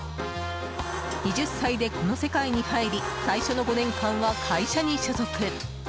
２０歳でこの世界に入り最初の５年間は会社に所属。